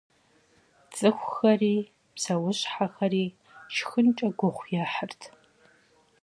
Цӏыхухэри псэущхьэхэри шхынкӏэ гугъу ехьырт.